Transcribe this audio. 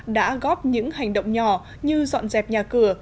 đã góp những hành động nhỏ như dọn dẹp nhà cửa